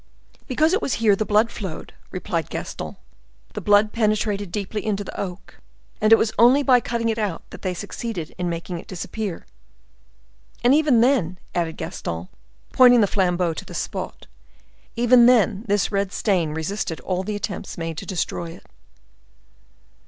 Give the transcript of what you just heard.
"Because it was here the blood flowed," replied Gaston; "the blood penetrated deeply into the oak, and it was only by cutting it out that they succeeded in making it disappear. And even then," added Gaston, pointing the flambeaux to the spot, "even then this red stain resisted all the attempts made to destroy it."